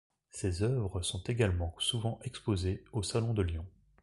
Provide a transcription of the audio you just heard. Ses œuvres sont également souvent exposées au Salon de Lyon.